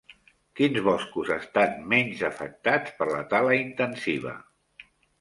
Quins boscos estan menys afectats per la tala intensiva?